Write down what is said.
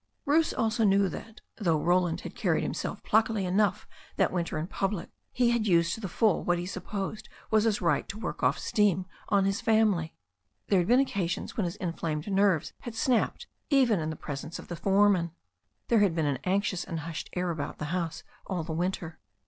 Bruce also knew that, though Roland had carried himself pluckily enough that winter in public, he had used to the full what he supposed was his right to work off steam on his family. There had been occasions when his inflamed nerves had snapped even in the presence of his foreman. There had been an anxious and hushed air about the house all the winter.